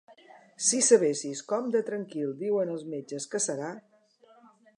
Si sabessis com de tranquil diuen els metges que serà.